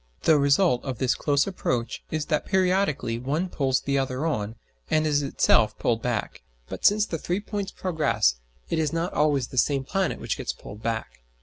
The result of this close approach is that periodically one pulls the other on and is itself pulled back; but since the three points progress, it is not always the same planet which gets pulled back.